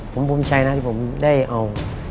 ผมภูมิใจนะที่ผมได้เอา